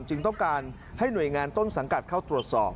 จึงต้องการให้หน่วยงานต้นสังกัดเข้าตรวจสอบ